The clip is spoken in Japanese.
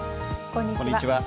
こんにちは。